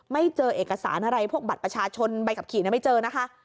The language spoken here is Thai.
ไม่เจอเอกสารอะไรพวกบัตรประชาชนใบขับขี่ไม่เจอนะคะ